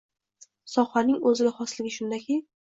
Sohaning o‘ziga xosligi shundaki